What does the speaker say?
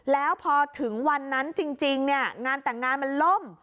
แล้วพอถึงวันนั้นจริงเนี่ยงานแต่งงานมันล่ม